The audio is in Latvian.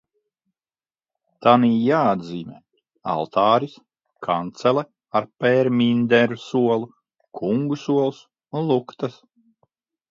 Tanī jāatzīmē: altāris, kancele ar pērminderu solu, kungu sols un luktas.